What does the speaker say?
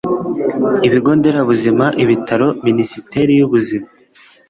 ibigo nderabuzima, ibitaro, minisiteri y'ubuzima